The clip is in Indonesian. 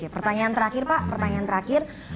pertanyaan terakhir pak